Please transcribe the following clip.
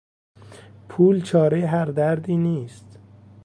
پول چارهی هر دردی نیست.